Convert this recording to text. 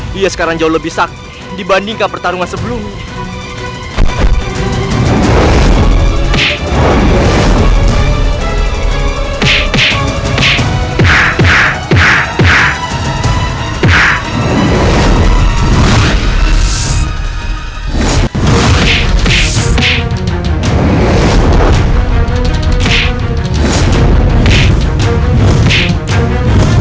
dia sekarang jauh lebih sakit dibandingkan pertarungan sebelumnya